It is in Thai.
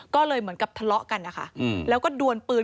ก็เลยเหมือนกับทะเลาะกันนะคะแล้วก็ดวนปืน